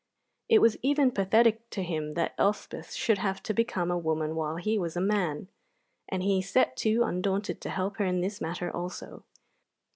It was even pathetic to him that Elspeth should have to become a woman while he was a man, and he set to, undaunted, to help her in this matter also.